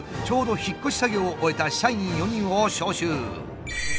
ちょうど引っ越し作業を終えた社員４人を招集。